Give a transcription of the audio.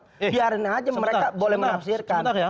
biarin aja mereka boleh menafsirkan